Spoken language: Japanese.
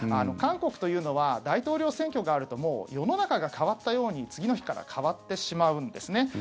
韓国というのは大統領選挙があると世の中が変わったように次の日から変わってしまうんですね。